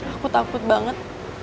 aku takut banget